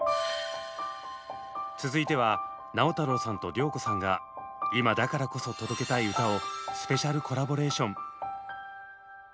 続いては直太朗さんと良子さんが今だからこそ届けたい歌をスペシャルコラボレーション。